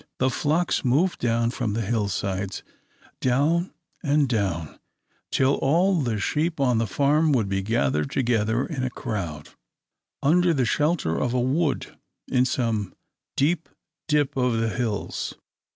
The flocks moved down from the hill sides, down and down, till all the sheep on a farm would be gathered together in a crowd, under the shelter of a wood in some deep dip of the hills.